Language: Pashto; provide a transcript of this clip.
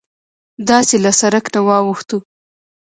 داسې له سرک نه واوښتوو.